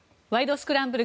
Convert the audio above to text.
スクランブル」